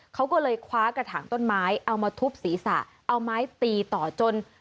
เขาก็เลยคว้ากระถางต้นไม้เอามาทุบศีรษะเอาไม้ตีต่อจน